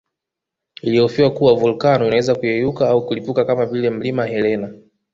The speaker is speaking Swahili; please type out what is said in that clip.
Ilihofiwa kuwa volkano inaweza kuyeyuka au kulipuka kama vile Mlima Helena